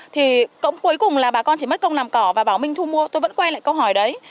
thì cuối cùng là bà con chỉ mất công làm cỏ và bảo minh thu mua tôi vẫn quay lại câu hỏi đấy